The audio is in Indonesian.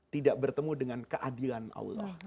tidak bertemu dengan keadilan allah